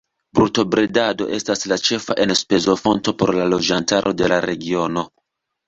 Brutobredado estas la ĉefa enspezofonto por la loĝantaro de la regiono.